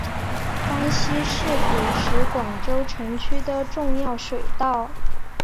甘溪是古时广州城区的重要水道。